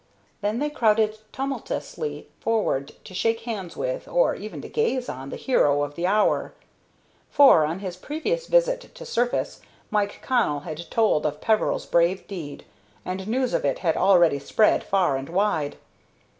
Then they crowded tumultuously forward to shake hands with, or even to gaze on, the hero of the hour; for, on his previous visit to surface, Mike Connell had told of Peveril's brave deed, and news of it had already spread far and wide.